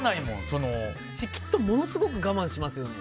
きっとものすごい我慢しますよね。